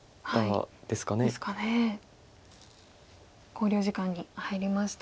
考慮時間に入りました。